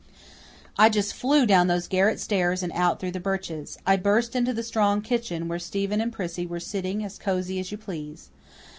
I just flew down those garret stairs and out through the birches. I burst into the Strong kitchen, where Stephen and Prissy were sitting as cozy as you please.